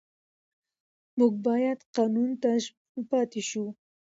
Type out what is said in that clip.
موږ باید قانون ته ژمن پاتې شو